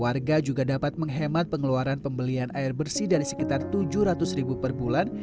warga juga dapat menghemat pengeluaran pembelian air bersih dari sekitar tujuh ratus ribu per bulan